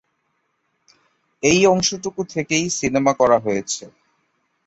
এই অংশটুকু থেকেই সিনেমা করা হয়েছে।